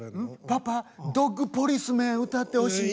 「パパ『ドッグポリスメン』歌ってほしい」。